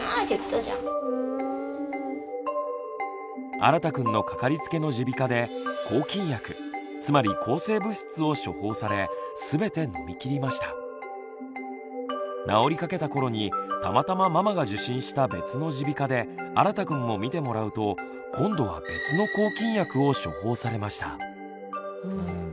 あらたくんのかかりつけの耳鼻科で治りかけた頃にたまたまママが受診した別の耳鼻科であらたくんも診てもらうと今度は別の抗菌薬を処方されました。